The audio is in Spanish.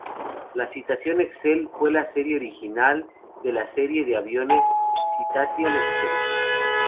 La Citation Excel fue la serie original de la serie de aviones Citation Excel.